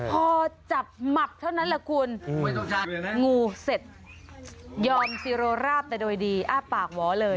พอจับหมักเท่านั้นแหละคุณงูเสร็จยอมซีโรราบแต่โดยดีอ้าปากหวอเลย